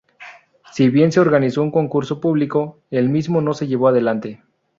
Si bien se organizó un concurso público, el mismo no se llevó adelante.